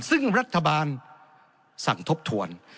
ซึ่งรัฐบาลสั่งทบทวน